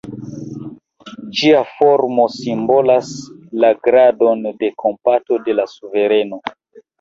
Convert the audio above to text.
Ĝia formo simbolas la gradon de kompato de la suvereno.